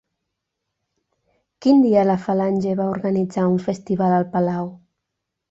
Quin dia la Falange va organitzar un festival al Palau?